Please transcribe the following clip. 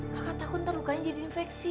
kakak takut ntar rukanya jadi infeksi